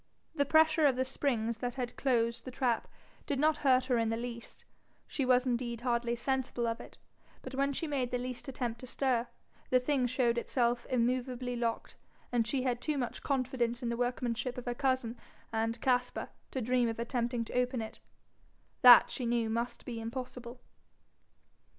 The pressure of the springs that had closed the trap did not hurt her in the least she was indeed hardly sensible of it; but when she made the least attempt to stir, the thing showed itself immovably locked, and she had too much confidence in the workmanship of her cousin and Caspar to dream of attempting to open it: that she knew must be impossible.